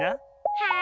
はい。